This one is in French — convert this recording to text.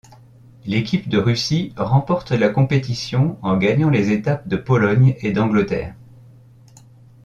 L'équipe de Russie remporte la compétition en gagnant les étapes de Pologne et d'Angleterre.